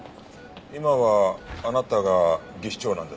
今はあなたが技師長なんですね？